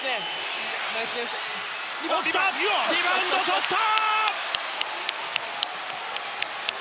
リバウンド、とった！